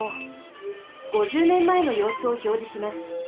５０ねんまえのようすをひょうじします。